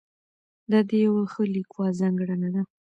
دا د یوه ښه لیکوال ځانګړنه ده.